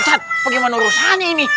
ustaz bagaimana urusannya ini